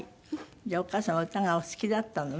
じゃあお母様は歌がお好きだったのね。